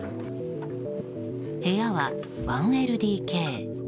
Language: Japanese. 部屋は１ＬＤＫ。